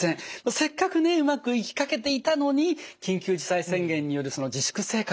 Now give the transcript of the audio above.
せっかくねうまくいきかけていたのに緊急事態宣言による自粛生活